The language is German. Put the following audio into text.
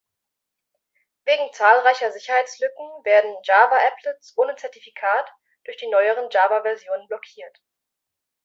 Wegen zahlreicher Sicherheitslücken werden Java-Applets ohne Zertifikat durch die neueren Java-Versionen blockiert.